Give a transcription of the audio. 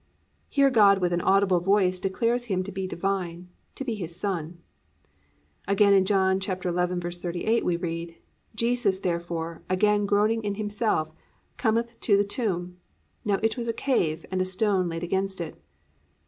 "+ Here God with an audible voice declares Him to be Divine, to be His Son. Again in John 11:38 we read, +"Jesus, therefore, again groaning in himself cometh to the tomb. Now it was a cave, and a stone laid against it."